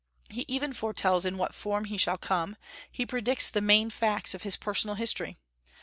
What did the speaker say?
He even foretells in what form He shall come; he predicts the main facts of His personal history.